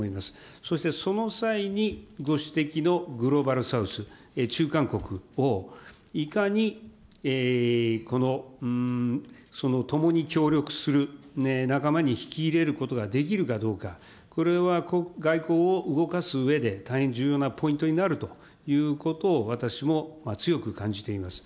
そしてその際に、ご指摘のグローバル・サウス、中間国を、いかにこの共に協力する仲間に引き入れることができるかどうか、これは外交を動かすうえで、大変重要なポイントになるということを、私も強く感じています。